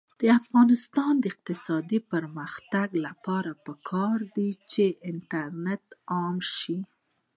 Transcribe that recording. د افغانستان د اقتصادي پرمختګ لپاره پکار ده چې انټرنیټ عام شي.